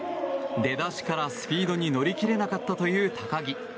出だしからスピードに乗り切れなかったという高木。